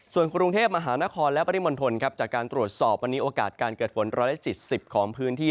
ส่วนกรุงเทพมหานครและปริมณฑลจากการตรวจสอบวันนี้โอกาสการเกิดฝน๑๗๐ของพื้นที่